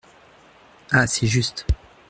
Ah ! c’est juste…